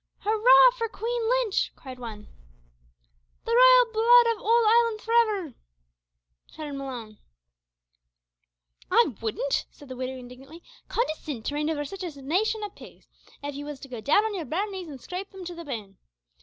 "Hurrah! for Queen Lynch," cried one. "The Royal blood of owld Ireland for ivver!" shouted Malone. "I wouldn't," said the widow indignantly, "condescind to reign over sitch a nation o' pigs, av ye was to go down on yer bare knees an' scrape them to the bone.